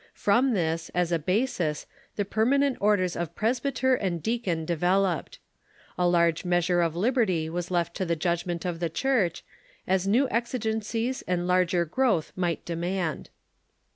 From this, as a basis, the per manent orders of presbyter and deacon developed. A large measure of liberty was left to the judgment of the Church, as new exigencies and larger growth might demand.